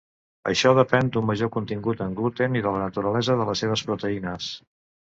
Això depèn d'un major contingut en gluten i de la naturalesa de les seves proteïnes.